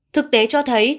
thực tế cho thấy